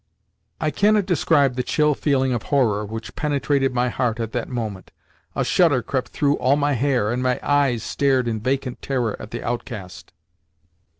I cannot describe the chill feeling of horror which penetrated my heart at that moment. A shudder crept through all my hair, and my eyes stared in vacant terror at the outcast.